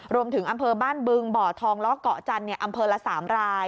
อำเภอบ้านบึงบ่อทองล้อเกาะจันทร์อำเภอละ๓ราย